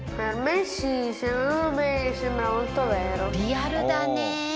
リアルだね。